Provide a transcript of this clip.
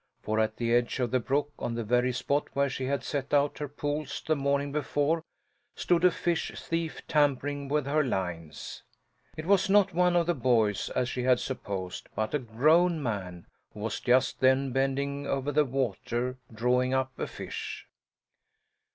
For at the edge of the brook, on the very spot where she had set out her poles the morning before, stood a fish thief tampering with her lines. It was not one of the boys, as she had supposed, but a grown man, who was just then bending over the water, drawing up a fish.